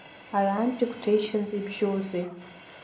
Арантәи Қәҭешьынӡа ибжьоузеи?